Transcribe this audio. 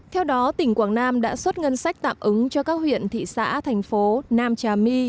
theo đó tỉnh quảng nam đã xuất ngân sách tạm ứng cho các huyện thị xã thành phố nam trà my